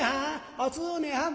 おつねはん」。